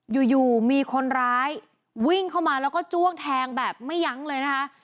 อยู่มีคนร้ายวิ่งเข้ามาแล้วก็จ้วงแทงแบบไม่ยั้งเลยนะคะ